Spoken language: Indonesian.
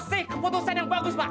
sih keputusan yang bagus pak